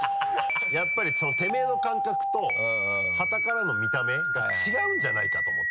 やっぱりてめぇの感覚とはたからの見た目が違うんじゃないかと思って。